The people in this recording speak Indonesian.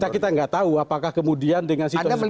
kita nggak tahu apakah kemudian dengan situasi seperti itu